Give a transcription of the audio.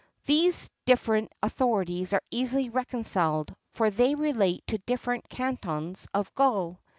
[XXXII 67] These different authorities are easily reconciled; for they relate to different cantons of Gaul.